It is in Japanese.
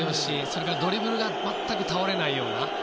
それからドリブルが全く倒れないような。